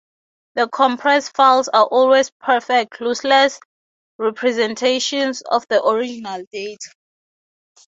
The compressed files are always perfect, lossless representations of the original data.